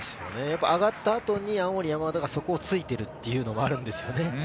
上がった後に青森山田がそこをついているというのもあるんですよね。